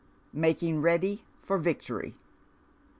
MAKING BEADY FOR VICTOBY.